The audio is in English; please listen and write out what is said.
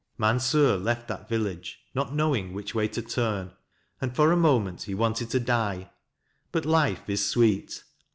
Mansur left that village, not knowing which way to turn, and for a moment he wanted to die ; but life is sweet.